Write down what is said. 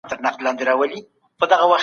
پر ميرمن باندي د خاوند خبري منل واجب دي.